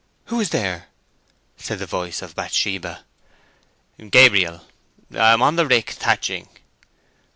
"Who is there?" said the voice of Bathsheba. "Gabriel. I am on the rick, thatching."